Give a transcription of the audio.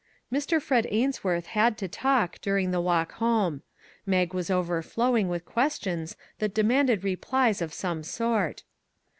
Mr. Fred Ains worth had to talk during the walk home. Mag was overflowing with ques tions that demanded replies of some sort.